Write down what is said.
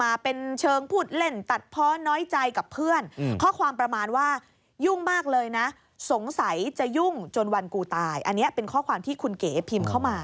อันนี้เป็นข้อความที่คุณเก๋พิมพ์เข้ามา